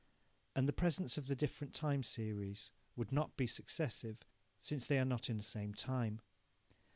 And the presents of the different time series would not be successive, since they are not in the same time.